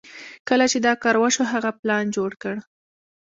کله چې دا کار وشو هغه پلان جوړ کړ.